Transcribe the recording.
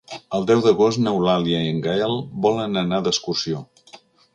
El deu d'agost n'Eulàlia i en Gaël volen anar d'excursió.